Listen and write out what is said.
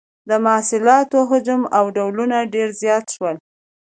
د محصولاتو حجم او ډولونه ډیر زیات شول.